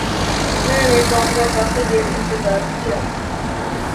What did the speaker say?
میں نے ٹام کا کافی دیر انتظار کیا۔